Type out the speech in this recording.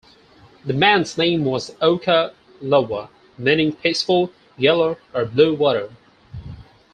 The man's name was "Oka-laua," meaning peaceful, yellow, or blue water.